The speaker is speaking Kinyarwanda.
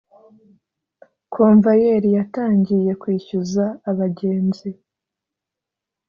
komvayeri yatangiye kwishyuza abagenzi